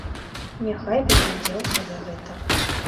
Няхай бы ты ўзяўся за гэта.